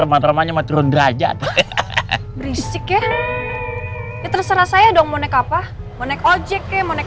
teman teman turun derajat berisik ya terserah saya dong mau naik apa mau naik ojek ke mau naik